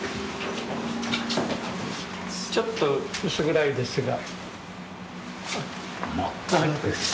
ちょっと薄暗いですが。